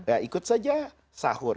ya ikut saja sahur